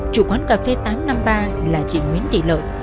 chủ quán cà phê tám trăm năm mươi ba là chị nguyễn thị lợi